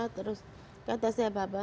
terus kata saya bapak